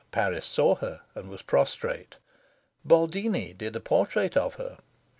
Paris saw her and was prostrate. Boldini did a portrait of her.